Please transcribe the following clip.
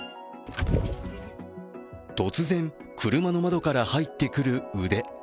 突然、車の窓から入ってくる腕。